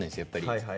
やっぱり。